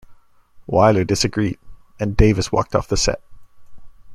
Wyler disagreed, and Davis walked off the set.